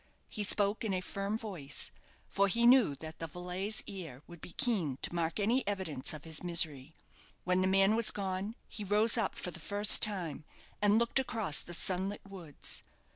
He spoke in a firm voice; for he knew that the valet's ear would be keen to mark any evidence of his misery. When the man was gone, he rose up for the first time, and looked across the sunlit woods.